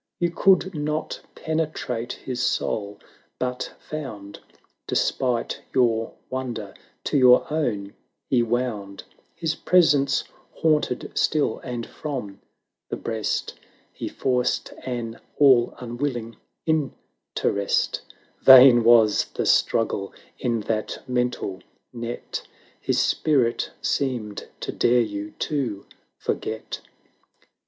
You could not penetrate his soul, but found, Despite your wonder, to your own he wound; His presence haunted still; and from the breast He forced an all unwiUing interest: 380 Vain was the struggle in that mental net — His spirit seemed to dare you to forget